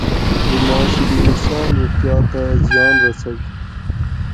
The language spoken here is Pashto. غوماشې د انسان روغتیا ته زیان رسوي.